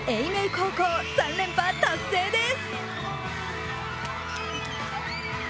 高校、３連覇達成です。